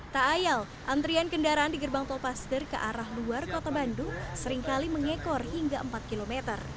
tak ayal antrian kendaraan di gerbang tol paster ke arah luar kota bandung seringkali mengekor hingga empat km